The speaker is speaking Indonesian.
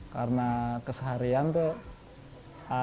karena keseharian tuh